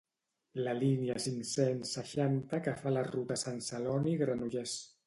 La línia cinc-cents seixanta que fa la ruta Sant Celoni-Granollers